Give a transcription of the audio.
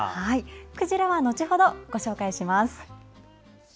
クジラは後ほど、ご紹介します。